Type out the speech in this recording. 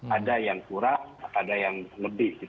ada yang kurang ada yang lebih